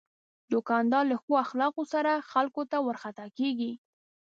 دوکاندار له ښو اخلاقو سره خلکو ته ورخطا کېږي.